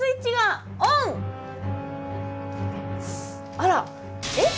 あらえっ？